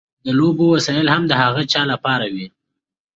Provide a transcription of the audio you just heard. د لوبو وسایل هم د هغه چا لپاره وي.